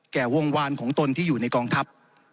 แก่วงวานของตนที่อยู่ในกองทัพ